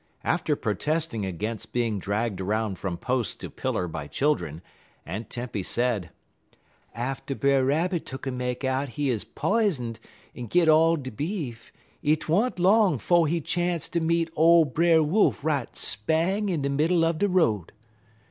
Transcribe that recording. After protesting against being dragged around from post to pillar by children, Aunt Tempy said: "Atter Brer Rabbit tuck'n make out he 'uz pizen'd un git all de beef, 't wa'n't long 'fo' he chance to meet ole Brer Wolf right spang in de middle uv de road.